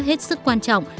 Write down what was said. hết sức quan trọng